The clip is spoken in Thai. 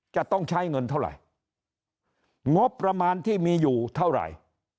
จะต้องใช้เงินเท่าไหร่งบประมาณที่มีอยู่เท่าไหร่